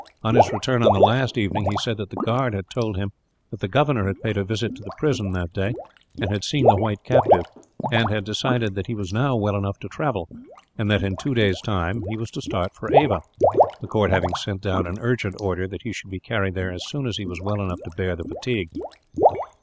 On his return on the last evening, he said that the guard had told him that the governor had paid a visit to the prison, that day, and had seen the white captive; and had decided that he was now well enough to travel, and that in two days' time he was to start for Ava, the court having sent down an urgent order that he should be carried there as soon as he was well enough to bear the fatigue.